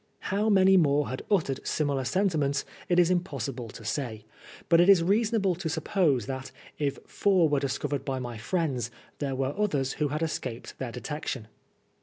How many more had uttered similar sentiments it is impossible to say, but it is reasonable to suppose that, if four were discovered by my friends, there were others who had escaped their detection.